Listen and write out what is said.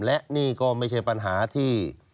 และนี่ก็ไม่ใช่ปัญหาที่